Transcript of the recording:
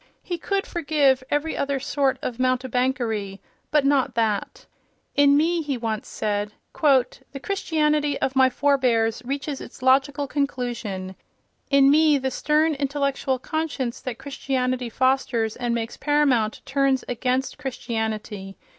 He could forgive every other sort of mountebankery, but not that. "In me," he once said, "the Christianity of my forbears reaches its logical conclusion. In me the stern intellectual conscience that Christianity fosters and makes paramount turns against Christianity.